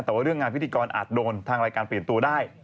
แต่ว่าเรื่องงานพิธีกรอาจโดนทางรายการเปลี่ยนตัวได้